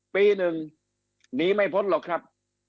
ปีหนึ่งหนีไม่พ้นหรอกครับ